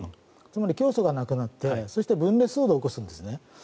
つまり、教祖が亡くなって分裂騒動を起こしてるんですね。